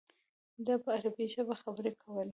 ده په عربي ژبه خبرې کولې.